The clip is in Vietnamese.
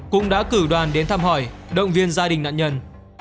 cũng đã cử đoàn đến thăm hỏi động viên gia đình nạn nhân